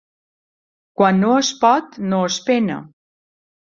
Quan no es pot no es pena.